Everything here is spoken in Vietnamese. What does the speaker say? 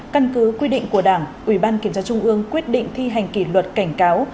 căn cứ quy định của đảng ủy ban kiểm tra trung ương quyết định thi hành kỷ luật cảnh cáo